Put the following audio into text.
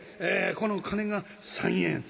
この金が３円。